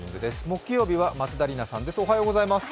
木曜日は松田里奈さんです。